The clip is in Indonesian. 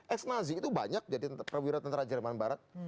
ex nazi itu banyak jadi perwira tentara jerman barat